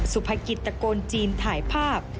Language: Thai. สุภกิจตะโกนจีนถ่ายภาพ